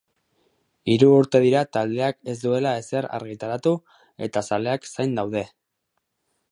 Hiru urte dira taldeak ez duela ezer argitaratu eta zaleak zain daude.